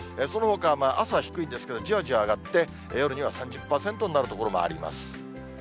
そのほかは朝低いんですけれども、じわじわ上がって、夜には３０％になる所もあります。